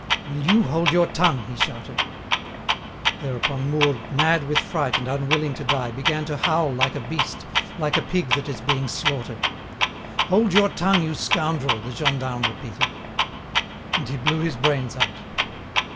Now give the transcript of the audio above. "Will you hold your tongue?" he shouted. Thereupon Mourgue, mad with fright and unwilling to die, began to howl like a beast—like a pig that is being slaughtered. "Hold your tongue, you scoundrel!" the gendarme repeated. And he blew his brains out.